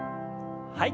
はい。